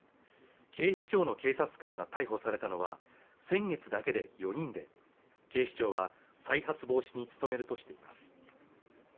警視庁の警察官が逮捕されたのは先月だけで４人で警視庁は再発防止に努めるとしています